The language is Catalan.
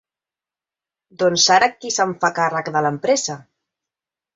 Doncs ara qui se'n fa càrrec, de l'empresa?